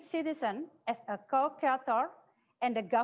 jadi karena ini kita harus menghargai